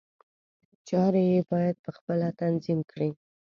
چارې یې باید په خپله تنظیم کړي.